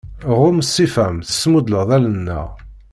Ɣum, ṣṣifa-m tesmundleḍ allen-nneɣ.